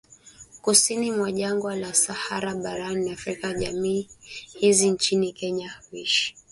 Kusini mwa Jangwa la Sahara barani Afrika Jamii hizi nchini Kenya huishi